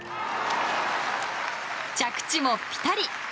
着地もピタリ。